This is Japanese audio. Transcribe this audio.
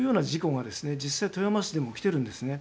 実際富山市でも起きてるんですね。